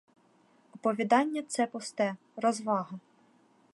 Оповідання — це пусте, розвага.